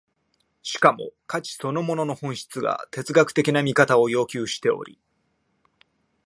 しかも価値そのものの本質が哲学的な見方を要求しており、